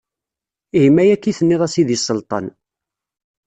Ihi ma akka i tenniḍ a sidi Selṭan.